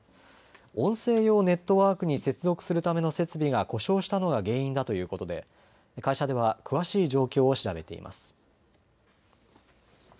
音声用ネットワークに接続するための設備が故障したのが原因だということで会社では詳しい状況を調べています。